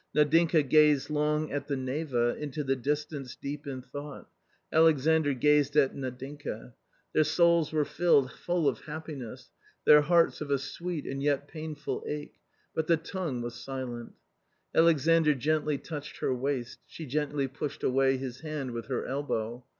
Nadinka gazed long at the Neva, into the distance deep in thought, Alexandr gazed at Nadinka. Their souls were filled full of happiness, their hearts of a sweet and yet painful ache, but the tongue was silent. Alexandr gently touched her waist. She gently pushed away his hand with her elbow.